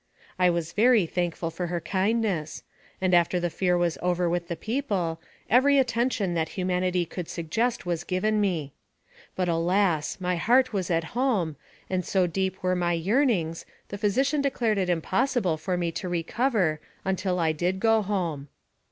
I was very thankful for her kindness, and after the fear was over with the people, every attention that humanity could suggest was given me; but, alas! my heart was at home, and so deep were my yearnings, the physician declared it impossible for me to recover until I did go home.